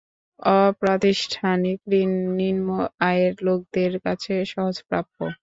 অপ্রাতিষ্ঠানিক ঋণ নিম্ন আয়ের লোকদের কাছে সহজপ্রাপ্য।